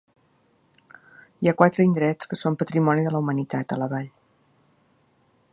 Hi ha quatre indrets que són Patrimoni de la Humanitat a la vall.